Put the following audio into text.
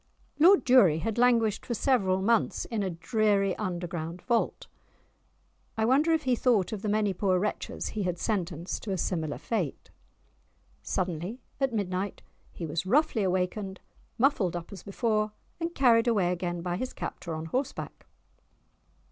Lord Durie had languished for several months in a dreary underground vault. I wonder if he thought of the many poor wretches he had sentenced to a similar fate? Suddenly at midnight he was roughly awakened, muffled up as before, and carried away again by his captor on horseback.